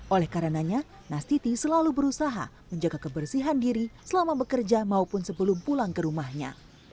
oleh karenanya nastiti selalu berusaha menjaga kebersihan diri selama bekerja maupun sebelum pulang ke rumahnya